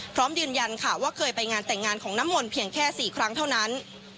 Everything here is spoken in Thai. พร้อมยืนยันค่ะว่าเคยไปงานแต่งงานของน้ำมนต์เพียงแค่๔ครั้งเท่านั้น